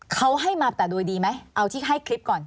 เขาให้มาแต่โดยดีไหมเอาที่ให้คลิปก่อน